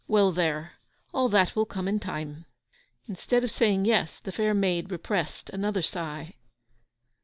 Well, there; all that will come in time.' Instead of saying yes, the fair maid repressed another sigh.